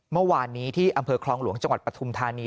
เมื่อวานนี้ที่อำเภอคลองหลวงจังหวัดปฐุมธานี